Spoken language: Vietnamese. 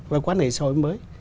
và quan hệ xã hội